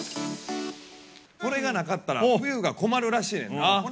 これがなかったら冬が困るらしいねんな。